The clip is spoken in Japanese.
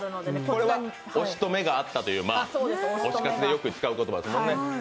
これは「推しと目が合った」という推し活でよく使う言葉ですね。